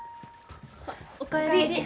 お帰り。